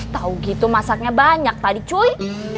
tahu gitu masaknya banyak tadi cuy